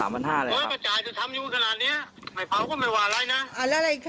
ก็จ่ายจะทำอยู่ขนาดเนี้ยไม่เผาก็ไม่ว่าไรนะอ่าแล้วอะไรอีกค่ะ